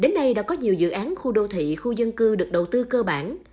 đến nay đã có nhiều dự án khu đô thị khu dân cư được đầu tư cơ bản